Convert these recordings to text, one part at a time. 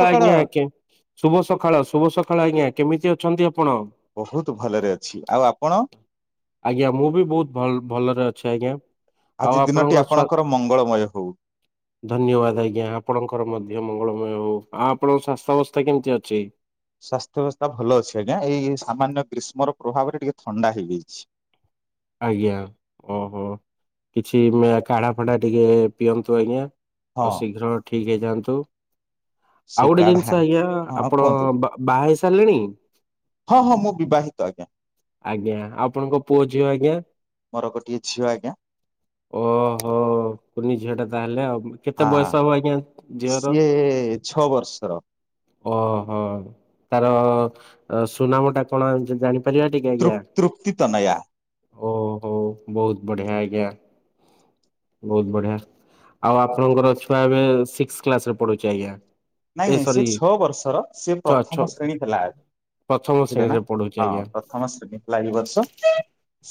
ସକାଳ ଆଜ୍ଞା ଆଜ୍ଞା ଶୁଭ ସକାଳ ଶୁଭ ସକା ଆଜ୍ଞା କେମିତି ଅଛନ୍ତି? ଆପଣ ବହୁତ ଭଲରେ ଅଛି ଆଉ ଆପଣ ଆଜ୍ଞା ମୁଁ ବି ବହୁତ ଭଲ୍ ଭଲରେ ଅଛି। ଆଚଛା ଆଜ୍ଞା। ଆଉ ଆଜି ଦିନଟି ଆପଣଙ୍କ ଆପଣଙ୍କର ମଙ୍ଗଳମୟ ହଉ। ଧନ୍ୟବାଦ ଆଜ୍ଞା ଆପଣଙ୍କର ମଧ୍ୟ ମଙ୍ଗଳ। ହଉ ଆଉ ଆପଣଙ୍କ ସ୍ୱାସ୍ଥ୍ୟ ଅବସ୍ଥା କେମିତି ଅଛି? ସ୍ୱାସ୍ଥ୍ୟ ଅବସ୍ଥା ଭଲ ଅଛି ଆଜ୍ଞା ଏଇ ସାମାନ୍ୟ ଗ୍ରୀଷ୍ମର ପ୍ରଭାବରେ ଟିକେ ଥଣ୍ଡା ହେଇଯାଇଛି। ଆଜ୍ଞା ଓହୋ କିଛି କାଢା ଫାଡା ଟିକେ ପିଅନ୍ତୁ ଆଜ୍ଞା। ହଁ ଆଉ ଶୀଘ୍ରଠିକ। ଠିକ ହେଇ ଯାଆନ୍ତୁ। ସେ ଆଉ ଗୋଟେ କାଢା ଜିନିଷ ଆଜ୍ଞା ହଁ ଆପଣ କୁହନ୍ତୁ ବାହ ବାହା ହେଇ ସାର୍ ଚାଲଣି। ହଁ ହଁ ମୁଁ ବିବାହିତ ଆଜ୍ଞା। ଆଜ୍ଞା ଆପଣଙ୍କ ପୁଅ ଝିଅ ଆଜ୍ଞା ମୋର ଗୋଟିଏ ଝିଅ ଆଜ୍ଞା ଓହୋ କୁନି ଝିଅ ଟା ତାହେଲେ ଆଉ କେତେ ହଁ। ବୟସ ହବ ଆଜ୍ଞା ଝିଅର? ସିଏ ଛଅ ବର୍ଷର ଓହୋ ତାର ସୁନାମ ଟା କଣ ଜାଣି ତୃପ ତୃକ୍ତିତନୟା। ଓହୋ ବହୁତ ବଢିଆ ଆଜ୍ଞା ବହୁତ ବଢିଆ। ଆଉ ଆପଣଙ୍କର ଛୁଆ ଏବେ ସିକ୍ସ କ୍ଲାସ୍ ରେ ପଢୁଛି ଆଜ୍ଞା? ନାଇଁ ଏ ନାଇଁ ସେ ସରି ଛଅ ବର୍ଷର ସେ ଛ ଛ ପ୍ରଥମ ଶ୍ରେଣୀ ଥିଲା। ପ୍ରଥମ ଆଜି ବୁଝିଲେ ନା ଶ୍ରେଣୀରେ ପଢୁଛି ଆଜ୍ଞା ହଁ ପ୍ରଥମ ଶ୍ରେଣୀ ହେଲା ଏଇ ବର୍ଷ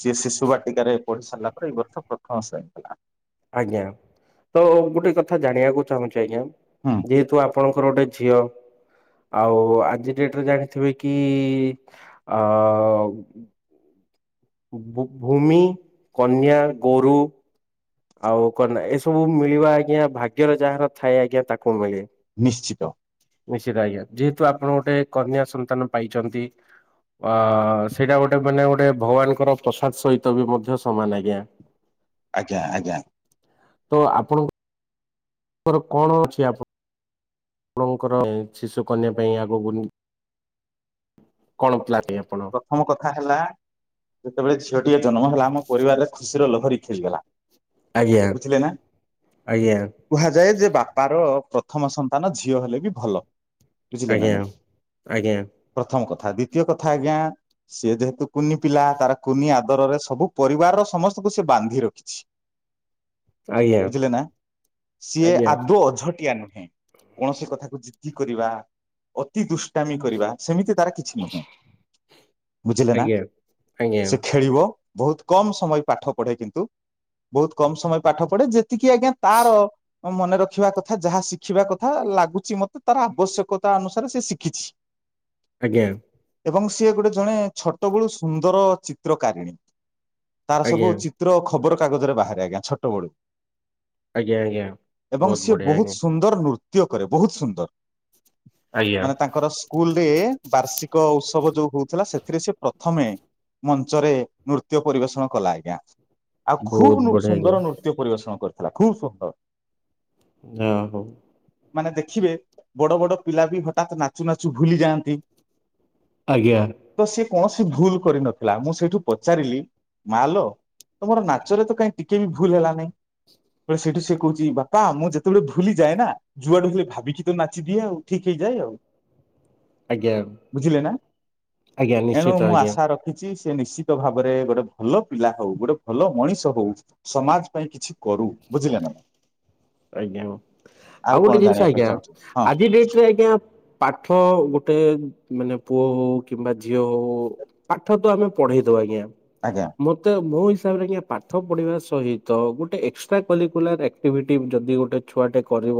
ସିଏ ଶିଶୁ ବାଟିକାରେ ପଢି ସାରିଲା ଏଇ ବର୍ଷ ପ୍ରଥମଶ୍ରେଣୀ ହେଲା। ଆଜ୍ଞା ତ ଗୋଟେ କଥା ଜାଣିବାକୁ ଚାହୁଁଛି ଆଜ୍ଞା ହୁଁ ଯେହେତୁ ଆପଣଙ୍କ ଙ୍କର ଗୋଟେ ଝିଅ ଆଉ ଆଜି ଡେଟରେ ଜାଣିଥିବେ କି ଅ ଭୂମି, କନ୍ୟା, ଗୋରୁ ଆଉ କନ୍ୟା ଏସବୁ ମିଳିବା ଆଜ୍ଞା ଭାଗ୍ୟର ଯାହାର ଥାଏ ଆଜ୍ଞା ତାକୁ ମିଳେ ନିଶ୍ଚିତ ନିଶ୍ଚିତ ଆଜ୍ଞା ଯେହେତୁ ଆପଣ ଗୋଟେ କନ୍ୟା ସନ୍ତାନ ପାଇଛନ୍ତି ଅ ସେଇଟା ଗୋଟେ ମାନେ ଗୋଟେ ଭଗବାନଙ୍କର ପ୍ରସାଦ ସହିତ ବି ମଧ୍ୟ ସମାନ ଆଜ୍ଞା। ଆଜ୍ଞା ଆଜ୍ଞା। ତ ଆପଣଙ୍କୁ ଆପଙ୍କର କଣ ଅଛି ଆପଣ ଆପଣଙ୍କର ଶିଶୁ କନ୍ୟା ପାଇଁ ଆଗକୁ? କଣ ପ୍ଲାନ ଆପଣ? ପ୍ରଥମ କଥା ହେଲା ଯେତେବେଳେ ଝିଅଟିଏ ଜନ୍ମ ହେଲା ଆମ ପରିବାରରେ ଖୁସି ର ଲହରି ଖେଳିଗଲା। ଆଜ୍ଞା ବୁଝିଲେ ନା ଆଜ୍ଞା କୁହାଯାଏ ଯେ ବାପାର ପ୍ରଥମ ସନ୍ତାନ ଝିଅ ହେଲେ ବି ଭଲ। ବୁଝିଲେ ନା ଆଜ୍ଞା ନାଇଁ ଆଜ୍ଞା। [unintelligible] ଦ୍ଵିତୀୟ କଥା ଆଜ୍ଞା ସେ ଯେହେତୁ କୁନି ପିଲା ତାର କୁନି ଆଦରରେ ସବୁ ପରିବାରର ସମସ୍ତଙ୍କୁ ସେ ବାନ୍ଧି ରଖିଛି। ଆଜ୍ଞା ବୁଝିଲେ ନା ସିଏ ଆଜ୍ଞା ଆଦୌ ଅଝଟିଆ ନୁ କୌଣସି କଥାକୁ ଜିଦ୍ଦି କରିବା ଅତି ଦୁଷ୍ଟାମି କରିବା ସେମିତି ତାର କିଛି ନୁହେଁ। ବୁଝିଲେ ନା ଆଜ୍ଞା ଆଜ୍ଞା ଆଜ୍ଞା ସେ ଖେଳିବ ବହୁତ କମ ସମୟ ପାଠ ପଢେ କିନ୍ତୁ ବହୁତ କମ ସମୟ ପାଠ ପଢେ ଯେ ଏତିକି ଆଜ୍ଞା ତାର ମନେ ରଖିବା କଥା ଯାହା ଶିଖିବା କଥା ଲାଗୁଛି ମତେ ତାର ଆବଶ୍ୟକତା ଅନୁସାରେ ସେ ଶିଖିଛି। ଆଜ୍ଞା। ଏବଂ ସିଏ ଗୋଟେ ଜଣେ ଛୋଟ ବେଳୁ ସୁନ୍ଦର ଚିତ୍ରକାରିଣୀ। ତାର ସବୁ ଆଜ୍ଞା ଚିତ୍ର ଖବର କାଗଜରେ ବାହାରେ ଆଜ୍ଞା ଛୋଟ ବେଳୁ। ଆଜ୍ଞା ଆଜ୍ଞା। ଏବଂ ସିଏ ବଢିଆ ବହୁତ ଆଜ୍ଞା ସୁନ୍ଦର ନୃ ତ୍ୟ କରେ ବହୁତ ସୁନ୍ଦର। ଆଜ୍ଞା ମାନେ ତାଙ୍କର ସ୍କୁଲ ରେ ବାର୍ଷିକ ଉତ୍ସବ ଯୋଉ ହଉଥିଲା ସେଥିରେ ସେ ପ୍ରଥମେ ମଞ୍ଚରେ ନୃତ୍ୟ ପରିବେଷଣ କଲା ଆଜ୍ଞା। ଆଉ ବହୁତ ଖୁବ ବଢିଆ ଆଜ୍ଞା ସୁନ୍ଦର ନୃତ୍ୟ ପରିବେଷଣ କରିଛି। [unintelligible] ଆ ହୋ। ମାନେ ଦେଖିବେ ବଡ ବଡ ପିଲା ବି ହଠାତ ନାଚୁ ନାଚୁ ଭୁଲି ଯାଆନ୍ତି। ଆଜ୍ଞା। ତ ସିଏ କୌଣସି ଭୁଲ କରିନଥିଲା ମୁଁ ସେଇଠୁ ପଚାରିଲି ମା ଲୋ ତମର ନାଚରେ ତ କାହିଁ ଟିକେ ବି ଭୁଲ ହେଲାନାହିଁ ସେଇଠୁ ସେ କହୁଛି ବାପା ମୁଁ ଯେତେବେଳେ ଭୁଲି ଯାଏ ନା ଯୁଆଡେ ହେଲେ ଭାବିକି ତ ନାଚି ଦିଏ ଆଉ ଠିକ ହେଇଯାଏ ଆଉ। ଆଜ୍ଞା ବୁଝିଲେ ନା ଆଜ୍ଞା ଏଣୁ ନିଶ୍ଚିତ ମୁଁ ଆଜ୍ଞା ଆଶା ରଖିଛି। ସେ ନିଶ୍ଚିତ ଭାବରେ ଗୋଟେ ଭଲ ପିଲା ହଉ ଗୋଟେ ଭଲ ମଣିଷ ହଉ ସମାଜ ପାଇଁ କିଛି। କରୁ ବୁଝିଲେ ନା। ଆଜ୍ଞା ଆଉ କଣ ଗୋଟେ ଜିନିଷ ଜାଣିବା ପାଇଁ ଆଜ୍ଞା ଚାହୁଁଛନ୍ତି ହଁ ଆଜି ଡେଟରେ ଆଜ୍ଞା ପାଠ ଗୋ। [inaudible] ମାନେ ପୁଅ ହଉ କିମ୍ବା ଝିଅ ହଉ ପାଠ ତ ଆମେ ପଢେଇଦବା ଆଜ୍ଞା। ଆଜ୍ଞା। ମତେ ମୋ। [inaudible] ପାଠ ପଢ଼ିବା ସହିତ ଗୋଟେ ଏକ୍ସଟ୍ରା କରିକୁଲାର ଆକ୍ଟିଭିଟି। ଯଦି ଗୋଟେ ଛୁଆଟେ କରିବ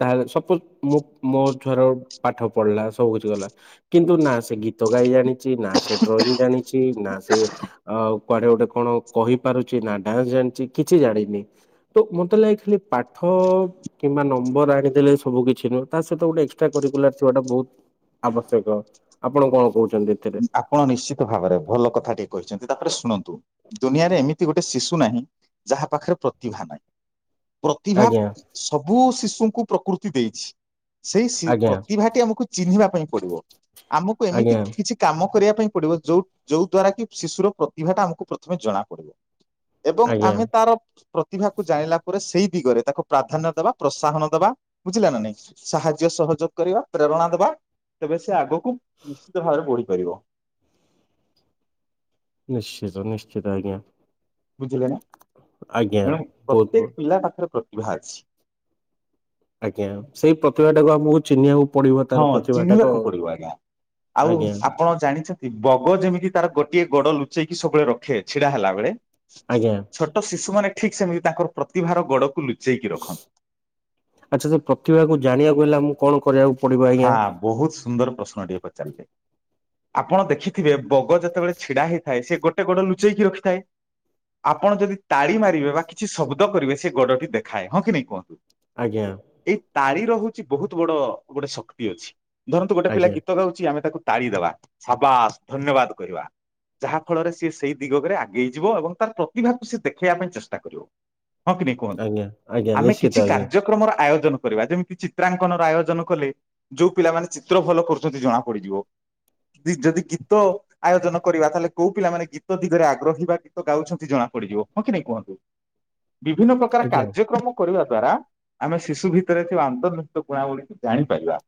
ତାହେଲେ ସପୋଜ ମୁଁ ମୋ ଛୁଆର ପାଠ ପଢିଲା ସବୁ କିଛି କଲା କିନ୍ତୁ ନା ସେ ଗୀତ ଗାଇ ଜାଣି। ନା ସେ ଡ୍ରଇଂ ଜାଣିଛି ନା ସେ ଅ। କୁଆଡେ ଗୋଟେ କଣ କହିପାରୁଛି ନା ଡାନ୍ସ ଜାଣିଛି କିଛି ଜାଣିନି ତ ମତେ ଲା। ପାଠ କିମ୍ବା ନମ୍ବର ଆଣିଦେଲେ ସବୁ କିଛି ନୁହଁ ତା ସହିତ ଗୋଟେ ଏକ୍ସଟ୍ରା କରକୁଲାର ଥିବାଟା ବହୁତ ଆବଶ୍ୟକ ଆପଣ କଣ କହୁ। ଆପଣ ନିଶ୍ଚିତ ଭାବରେ ଭଲ କଥା ଟିକେ କହିଛନ୍ତି ତାପରେ ଶୁଣନ୍ତୁ ଦୁନିଆରେ ଏମିତି ଗୋଟେ ଶିଶୁ ନାହିଁ ଯାହା ପାଖରେ ପ୍ରତିଭା ନାହିଁ ପ୍ରତିଭା ଆଜ୍ଞା ସବୁ ଶିଶୁଙ୍କୁ ପ୍ରକୃତି ଦେଇଛି ସେଇ ସି‌ ଆଜ୍ଞା ପ୍ରତିଭା ଟି ଆମକୁ ଚିହ୍ନିବା ପାଇଁ ପଡିବ ଆମକୁ ଏମିତି ଆଜ୍ଞା କିଛି କାମ କରିବା ପାଇଁ ପଡିବ ଯୋ ଯୋଉ ଦ୍ଵାରା କି ଶିଶୁର ପ୍ରତିଭା ଟା ଆମକୁ ପ୍ରଥମେ ଜଣା ପଡିବ ଏବଂ ଆଜ୍ଞା। ଆମେ ତାର ପ୍ର ପ୍ରତିଭାକୁ ଜାଣିଲା ପରେ ସେଇ ଦିଗରେ ତାକୁ ପ୍ରାଧାନ୍ୟ ଦେବା ପ୍ରୋତ୍ସାହନ ଦେବା ବୁଝିଲା ନା ନାଇଁ ସାହାଯ୍ୟ ସହଯୋଗ କରିବା ପ୍ରେରଣା ଦେବା ତେବେ ସେ ଆଗକୁ ନିଶ୍ଚିତ ଭାବରେ ବଢି ପାରିବ ନିଶ୍ଚିତ ନିଶ୍ଚିତ ଆଜ୍ଞା ବୁଝିଲେ ନା ଆଜ୍ଞା ଏଣୁ ବହୁତ ପ୍ରତ୍ୟେକ ବହୁତ ପିଲା ପାଖରେ ପ୍ର ଭା ଅଛି ଆଜ୍ଞା ସେଇ ପ୍ରତିଭା ଟାକୁ ଆମକୁ ଚିହ୍ନିବାକୁ ପଡିବ ତାର ହଁ ପ୍ରତିଭା ଟାକୁ ଚିହ୍ନିବାକୁ ପଡିବ ଆଜ୍ଞା ଆଉ ଆଜ୍ଞା ଆପଣ ଜାଣିଛନ୍ତି ବଗ ଯେମିତି ତାର ଗୋଟିଏ ଗୋଡ ଲୁଚେଇକି ସବୁବେଳେ ରଖେ ଛିଡା ହେଲା ବେଳେ ଆଜ୍ଞା ଛୋଟ ଶିଶୁ ମାନେ ଠିକ୍ ସେମିତି ତାଙ୍କର ପ୍ରତିଭାର ଗୋଡକୁ ଲୁଚି ଆଚ୍ଛା ସେ ପ୍ରତିଭାକୁ ଜାଣିବାକୁ ହେଲା ମୁଁ କଣ କରିବାକୁ, ପଡିବ ଆଜ୍ଞା ହା ବହୁତ ସୁନ୍ଦର ପ୍ରଶ୍ନ ଟିଏ ପଚାରିଲେ? ଆପଣ ଦେଖିଥିବେ ବଗ ଯେତେବେଳେ ଛିଡା ହେଇଥାଏ ସେ ଗୋଟେ ଗୋଡ ଲୁଚେଇକି ରଖିଥାଏ ଆପଣ ଯଦି ତାଳି ମାରିବେ ବା କିଛି ଶବ୍ଦ କରିବେ ସେ ଗୋଡଟି ଦେଖାଏ ହଁ କି ନାଇଁ କୁହନ୍ତୁ। ଆଜ୍ଞା ଏଇ ତାଳି, ଓଟ ହଉଛି ବହୁତ ବଡ। ଗୋଟେ ଶକ୍ତି ଅଛି। ଧରନ୍ତୁ ଗୋଟେ ପିଲା ଆଜ୍ଞା ଗୀତ ଗାଉଛି ଆମେ ତାକୁ ତାଳିଦବା ସାବାସ ଧନ୍ୟବାଦ କହିବା ଯାହା ଫଳରେ ସିଏ ସେଇ ଦିଗରେ ଆଗେଇ ଯିବ ଏବଂ ତାର ପ୍ରତିଭାକୁ ସି ଦେଖେଇବା ପାଇଁ ଚେଷ୍ଟା କରିବ। ହଁ କି ନାହିଁ କୁହନ୍ତୁ ଆଜ୍ଞା ଆଜ୍ଞା ଆମେ ନିଶ୍ଚିତ କିଛି ଆଜ୍ଞା କାର୍ଯ୍ୟକ୍ରମର ଆୟୋ ଆୟୋଜନ କରିବା ଯେମିତି ଚିତ୍ରାଙ୍କନର ଆୟୋଜନ କଲେ ଯୋଉ ପିଲାମାନୋନ ଚିତ୍ର ଭଲ କରୁଛନ୍ତି ଜଣା ପଡିଯିବ ଯଦି ଗୀତ ଆୟୋଜନ କରିବା ତାହେଲେ କୋଉ ପିଲାମାନେ ଗୀତ ଦିଗରେ ଆଗ୍ରହୀ ବା ଗୀତ ଗାଉଛନ୍ତି ଜଣା ପଡିଯିବ ହଁ କି ନାଇଁ କୁହନ୍ତୁ। ବିଭିନ୍ନ ପ୍ରକାର ଆଜ୍ଞା କାର୍ଯ୍ୟକ୍ରମ କରିବା। ଦ୍ଵାରା ଆମେ ଶିଶୁ ଭିତରେ ଥିବା ଅନ୍ତର୍ଭୁକ୍ତ କୁଣା ଗୁିଡିକୁ ଜାଣିପାରିବା।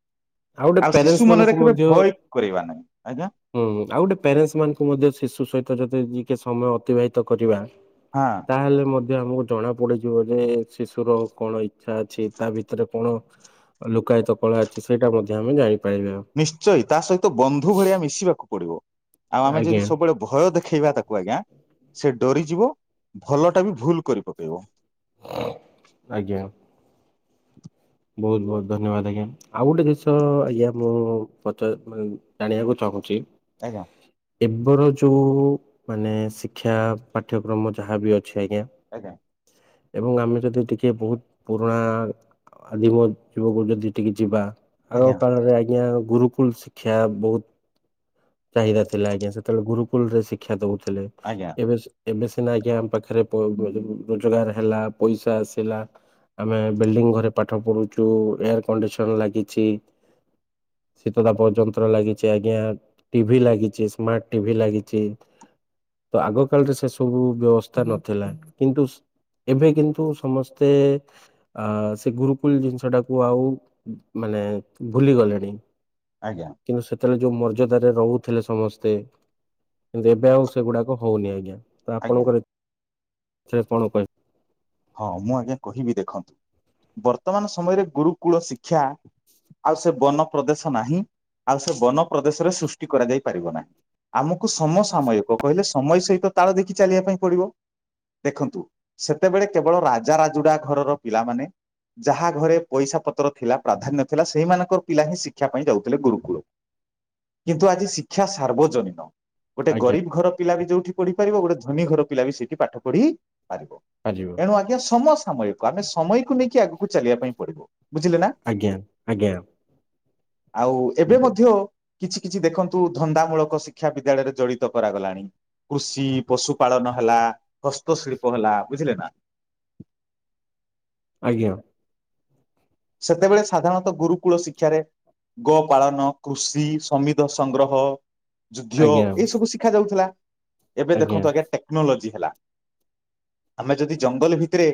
ଆଉ ଗୋଟେ ଶିଶୁ ପ୍ୟାରେଣ୍ଟସ୍ ମନରେ ମାନଙ୍କୁ କେବେ ମଧ୍ୟ ହଁ ଭୟ କରେଇବା ନାହିଁ ଆଜ୍ଞା ଆଉ ଗୋଟେ ପ୍ୟାରେଣ୍ଟସ୍ ମାନଙ୍କୁ ମଧ୍ୟ ଶିଶୁ ସହିତ ଯଦି ଟିକେ ସମୟ ଅତିବାହିତ କରିବା। ହଁ ତାହେଲେ ମ ଆମକୁ ଜଣା ପଡିଯିବ ଯେ ଶିଶୁର କଣ ଆଶା ଅଛି ତା ଭିତରେ କଣ ଲୁକାୟତ କଳା ଅଛି? ସେଇଟା ମଧ୍ୟ ଆମ ଜାଣି ନିଶ୍ଚୟ ତା ସହିତ ବନ୍ଧୁ ଭଳିଆ ମିଶିବାକୁ ପଡିବ। ଆଉ ଆମେ ଯଦି ଆଜ୍ଞା ସବୁବେଳେ ଭୟ ଦେଖେଇବା ତାକୁ ଆଜ୍ଞା ସେ ଡରିଯିବ ଭଲ ଟା ବି ଭୁଲ କରି ପକେଇବ। ଆଜ୍ଞା ବହୁତ ବହୁତ ଧନ୍ୟବାଦ ଆଜ୍ଞା ଆଉ ଗୋଟେ ଜିନଷ ଆଜ୍ଞା ମୁଁ ପଚାରି ଜାଣିବାକୁ ଚାହୁଁଛି। ଆଜ୍ଞା। ଏବର ଯୋଉ ମାନେ ଶିକ୍ଷା ପାଠ୍ୟକ୍ରମ ଯାହାବି ଅଛି। ଛି ଆଜ୍ଞା। ଆଜ୍ଞା ଏବଂ ଆମେ ଯଦି ଟିକିଏ ବହୁତ ପୁରୁଣା ଆଦି ମୋ ଯୁବକୁ ଯଦି ଟିକେ ଯିବା। ଆଗ ଆଜ୍ଞା କାଳରେ ଆଜ୍ଞା। ଗୁରୁକୁଲ ଶିକ୍ଷା ବହୁତ ଚାହିଦା ଥିଲା ଆଜ୍ଞା ସେତେବେଳେ ଗୁରୁକୁଲ ରେ ଶିକ୍ଷା ଦଉ ଥିଲେ ଆଜ୍ଞା ଏବେ ଏବେ ସିନା ଆଜ୍ଞା ଆମ ପାଖରେ ପ୍ ରୋଜଗାର ହେଲା ପଇସା ଆସିଲା ଆମେ ବିଲଡିଙ୍ଗ ଘରେ ପାଠ ପଢୁଛୁ ଏୟାର କଣ୍ଡିସନ ଲାଗିଛି ଶୀତ ତାପ ଯନ୍ତ୍ର ଲାଗିଛି ଆଜ୍ଞା ଟିଭି ଲାଗିଛି ସ୍ମାର୍ଟ ଟିଭି ଲାଗିଛି ତ ଆଗ କାଳରେ ସେ ସବୁ ବ୍ୟବସ୍ଥା ନଥିଲା କିନ୍ତୁ ଏବେ କିନ୍ତୁ ସମସ୍ତେ ଆ ସେ ଗୁରୁକୂଳ ଜିନିଷଟାକୁ ଆଉ ମାନେ ଭୁଲି ଗଲେଣି। ଆଜ୍ଞା କିନ୍ତୁ ସେତେବେଳେ ଯୋଉ ମର୍ଯ୍ୟାଦାରେ ରହୁଥିଲେ ସମସ୍ତେ କିନ୍ତୁ ଏବେ ଆଉ ସେଗୁଡାକ ହଉନି ଆଜ୍ଞା। ତ ଆଜ୍ଞା ଆପଣଙ୍କର ସେ କଣ କହିଲେ? ହଁ ମୁଁ ଆଜ୍ଞା କହିବି ଦେଖନ୍ତୁ ବର୍ତ୍ତମାନ ସମୟରେ ଗୁରୁକୁଳ ଶିକ୍ଷା ଆଉ ସେ ବନ ପ୍ରଦେଶ ନାହିଁ ଆଉ ସେ ବନ ପ୍ରଦେଶରେ ସୃଷ୍ଟି କରାଯାଇ ପାରିବ ନାହିଁ ଆମକୁ ସମସାମୟିକ କହିଲେ ସମୟ ସହିତ ତାଳ ଦେଖି ଚାଲିବା ପାଇଁ ପଡିବ ଦେଖନ୍ତୁ ସେତେବେଳେ କେବଳ ରାଜା ରାଜୁଡା ଘରର ପିଲାମାନୋନ ଯାହା ଘରେ ପଇସା ପତ୍ର ଥିଲା ପ୍ରାଧାନ୍ୟ ଥିଲା ସେଇମାନଙ୍କର ପିଲା ହିଁ ଶିକ୍ଷା ପାଇଁ ଯାଉଥିଲେ ଗୁରୁକୁଳ। କିନ୍ତୁ ଆଜି ଶିକ୍ଷା ସାର୍ବଜନୀନ। ଗୋଟେ ଆଜ୍ଞା ଗରିବ ଘର ପିଲା ବି ଯୋଉଠି ପଢିପାରିବ ଗୋଟେ ଧନୀ ଘର ପିଲା ବି ସେଇଠି ପାଠ ପଢି ପାରିିବ। ପାରିବ ଏଣୁ ଆଜ୍ଞା ସମସାମୟିକ। ଆମେ ସମୟକୁ ନେଇକି ଆଗକୁ ଚାଲିବା ପାଇଁ ପଡିବ। ବୁଝିଲେ ନା। ଆଜ୍ଞା ଆଜ୍ଞା। ଆଉ ଏବେ ମଧ୍ୟ କିଛି କିଛି ଦେଖନ୍ତୁ ଧନ୍ଦାମୂଳକ ଶିକ୍ଷା ବିଦ୍ୟାଳୟରେ ଜଡିତ କରାଗଲାଣି, କୃଷି ପଶୁପାଳନ ହେଲା ହସ୍ତଶିଳ୍ପ ହେଲା ବୁଝିଲେ ନା। ଆଜ୍ଞା। ସେତେବେଳେ ସାଧାରଣତଃ ଗୁରୁକୁଳ ଶିକ୍ଷାରେ ଗୋ ପାଳନ କୃଷି ସମିଧ ସଂଗ୍ରହ ଯୁଦ୍ଧ ଆଜ୍ଞା ଏଇ ସବୁ ଶିଖା ଯାଉଥିଲା। ଏବେ ଦେଖନ୍ତୁ ଆଜ୍ଞା ଟେକ୍ନୋଲୋଜି। ହେଲା ଆମେ ଯଦି ଜଙ୍ଗଲ ଭିତରେ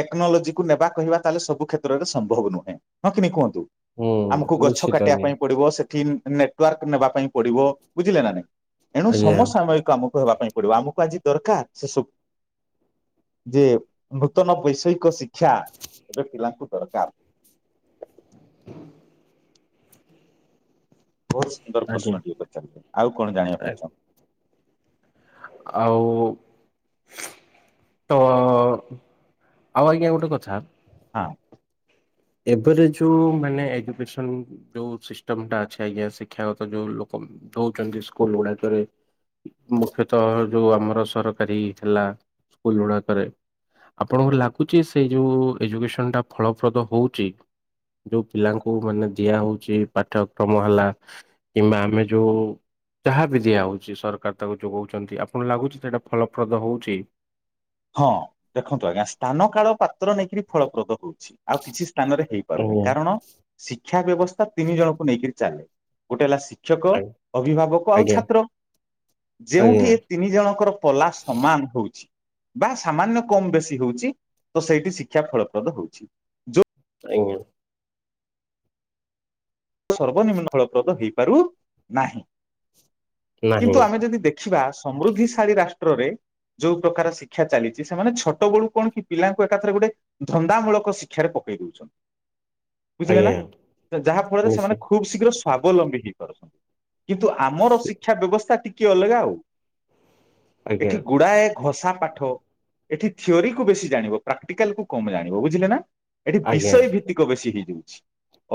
ଟେକ୍ନୋଲୋଜିକୁୁ ନେବା କହିବା ତାହେଲେ ସବୁ କ୍ଷେତ୍ରରେ ସ ସମ୍ଭବ ନୁହେଁ ହଁ ନା କୁହନ୍ତୁ। ହୁଁ ଆମକୁ ଗଛ ନିଶ୍ଚିତ କାଟିବା ଆଜ୍ଞା ପାଇଁ ପଡିବ ସେ ଟିମ୍ ନେଟୱାର୍କ ନେବା ପାଇଁ ପଡିବ ବୁଝିଲେ ନା ନାଇଁ। ଏଣୁ ଆଜ୍ଞା ସମସାମୟିକ ଆମ ହେବା ପାଇଁ ପଡିବ ଆମକୁ ଆଜି ଦରକାର ସେସୁ ଯେ ନୂତନ ବୈଷୟିକ ଶିକ୍ଷା ଏବେ ପିଲାଙ୍କୁ ଦରକାର। ବହୁତ ସୁନ୍ଦର ଆଜ୍ଞା ପ୍ରଶ୍ନ ଟିଏ ପଚାରିଲେ ଆଉ କଣ ଜାଣିବା ପାଇଁ ଚାହୁଁ? ଆଉ ତ ଆଉ ଆଜ୍ଞା ଗୋଟେ କଥା ହଁ। ଏବେ ତ ଯୋଉ ମାନେ ଏଜୁକେସଏନ୍ ଯୋଉ ସିଷ୍ଟମଟା ଅଛି ଆଜ୍ଞା ଶିକ୍ଷାଗତ ଯୋଉ ଲୋକ ଦଉଛନ୍ତି ସ୍କୁଲ ଗୁଡାକରେ ମୁଖ୍ୟତଃ ଯୋଉ ଆମର ସରକାରୀ ଥିଲା ସ୍କୁଲ ଗୁଡାକରେ ଆପଣଙ୍କୁ ଲାଗୁଛି ସେଇ ଯୋଉ ଏଜୁକେସଏନ୍ ଟା ଫଳପ୍ରଦ ହଉ ଛି ଯୋଉ ପିଲାଙ୍କୁ ମାନେ ଦିଆ ହଉଛି ପାଠ୍ୟକ୍ରମ ହେଲା କିମ୍ବା ଆମେ ଯୋଉ ଯାହାବି ଦିଆ ହଉଛି ସରକାର ତାକୁ ଯୋଗଉଛନ୍ତି ଆପଣ ଲାଗୁଛି ସେଇଟା ଫଳପ୍ରଦ ହଉଛି? ହଁ ଦେଖନ୍ତୁ ଆଜ୍ଞା ସ୍ଥାନ କାଳ ପାତ୍ର ନେଇକିରି ଫଳପ୍ରଦ ହଉଛି। ଆଉ କିଛି ସ୍ଥାନରେ ହେଇପାରୁନି ଆଜ୍ଞା କାରଣ ଶି ଶିକ୍ଷା ବ୍ୟବସ୍ଥା ତିନି ଜଣଙ୍କୁ ନେଇକରି ଚାଲେ ଗୋଟେ ହେଲା ଶି ଶିକ୍ଷକ ଅଭିଭାବକ ଆଉ ଆଜ୍ଞା ଛାତ୍ର ଆଜ୍ଞା ଆଜ୍ଞା ଯେଉଠି ଏ ତିନି ଜଣଙ୍କର ପଲା ସମାନ ହଉଛି ବା ସାମାନ୍ୟ କମ୍ ବେଶୀ ହଉଛି ତ ସେଇଠି ଶିକ୍ଷା ଫଳପ୍ରଦ ହଉଛି ଯଉ ଏଇ ଭଳିଆ। ସର୍ବନିମ୍ନ ଫଳପ୍ରଦ ହେଇ କରୁ ନାହିଁ। ନାହିଁ କିନ୍ତୁ ଆମେ ଯଦି ଦେଖିବା ସମୃଦ୍ଧିଶାଳୀ ରାଷ୍ଟ୍ର ରେ ଯୋଉ ପ୍ରକାର ଶିକ୍ଷା ଚାଲିଛି ସେମାନେ ଛୋଟ ବେଳୁ କଣ କି ପିଲାଙ୍କୁ ଏକାଥରେ ଗୋଟେ ଧନ୍ଦାମୂଳକ ଶିକ୍ଷାାରେ ପକେଇ ଦଉଛନ୍ତି। ବୁଝିଲେ ନା ଆଜ୍ଞା ତ ଯାହା ଫଳରେ ସେମାନେ ଖୁବ୍ ଶୀଘ୍ର ସ୍କ ସ୍ବାବଲମ୍ବୀ ହେଇପାରୁଛନ୍ତି। କିନ୍ତୁ ଆମର ନିଶ୍ଚୟ ଶିକ୍ଷା ବ୍ୟବସ୍ଥା ଟି ଟିକେ ଅଲଗା ଆଉ। ଆଜ୍ଞା ଏଠି ଗୁଡାଏ ଘଷା ପାଠ ଏଠି ଥିଓରୀ କୁ ବେଶୀ ଜାଣିବ ପ୍ରାକ୍ଟିକାଲ୍ କୁ କମ ଜାଣିବ ବୁଝିଲେ ନା। ଏଠି ଆଜ୍ଞା ବିଷୟ ଭିତ୍ତିକ ବେଶୀ ହେଇ ହେଉଛି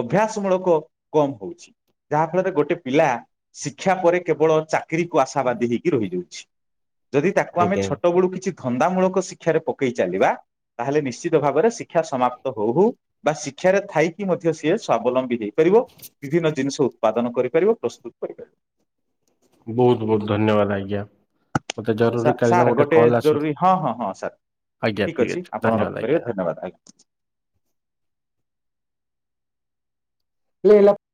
ଅଭ୍ୟାସ ମୂଳକ କମ୍ ହଉଛି ଯାହାଫଳରେ ଗୋଟେ ପିଲା ଶିକ୍ଷା ପରେ କେବଳ ଚା ଚାକିରିକୁ ଆଶାବାଦୀ ହେଇକି ରହିଯାଉଛି ଯଦି ତାକୁ ଆମେ ଆଜ୍ଞା ଛୋଟ ବେଳୁ କିଛି ଧନ୍ଦାମୂଳକ ଶିକ୍ଷାରେ ପକେଇ ଚାଲିବା ତାହେଲେ ନିଶ୍ଚିତ ଭାବରେ ଶିକ୍ଷା ସମାପ୍ତ ହଉ ହଉ ବା ଶିକ୍ଷାରେ ଥାଇକି ମଧ୍ୟ ସିଏ ସ୍ଵାବଲମ୍ବୀ ହେଇପାରିବ। ବିଭିନ୍ନ ଜିନିଷ ଉତ୍ପାଦନ କରିପାରିବ ପ୍ରସ୍ତୁତ କରିପାରିବ। ବହୁତ ବହୁତ ଧନ୍ୟବାଦ ଆଜ୍ଞା। ମତେ ଜରୁରୀ କାଳୀନ ସା-ସାର୍ ଗୋଟେ କଲ୍ ଆସୁ ଜରୁରୀ ହଁ ହଁ ହଁ ସାର୍ ଆଜ୍ଞା ଠିକ ଅଛି ଆପଣ ଧନ୍ୟବାଦ ଆଜ୍ଞା। ରଖିପାରିବେ ଧନ୍ୟବାଦ ଆଜ୍ଞା ଲିଲ।